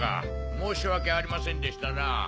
申し訳ありませんでしたなぁ。